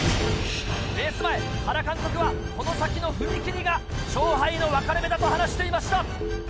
レース前原監督はこの先の踏切が勝敗の分かれ目だと話していました。